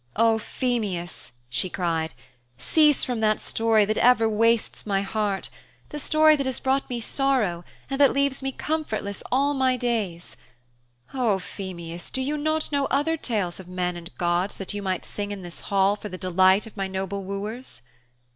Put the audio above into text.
'O Phemius,' she cried, 'cease from that story that ever wastes my heart the story that has brought me sorrow and that leaves me comfortless all my days! O Phemius, do you not know other tales of men and gods that you might sing in this hall for the delight of my noble wooers?'